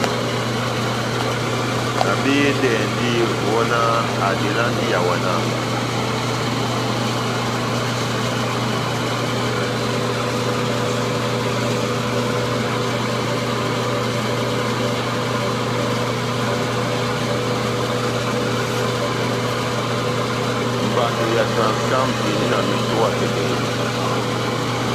Mbando ya Transcam endi na metowa kɛkɛhi.